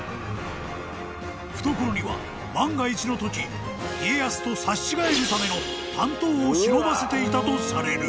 ［懐には万が一のとき家康と刺し違えるための短刀を忍ばせていたとされる］